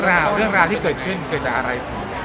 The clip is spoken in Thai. เรื่องราวที่เกิดขึ้นเกิดจากอะไร